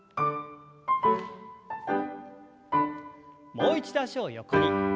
もう一度脚を横に。